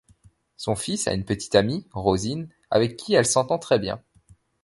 Son fils a une petite amie, Rosine, avec qui elle s’entend très bien.